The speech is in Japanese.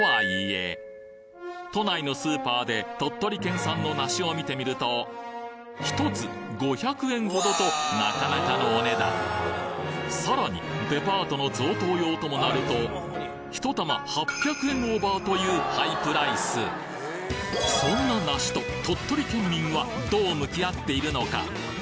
都内のスーパーで鳥取県産の梨を見てみると１つ５００円ほどとなかなかのお値段さらにデパートの贈答用ともなると１玉８００円オーバーというハイプライスそんな梨と鳥取県民はどう向き合っているのか？